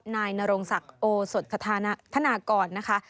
นายนรงศักดิ์โอสดสถานธนากรนะคะ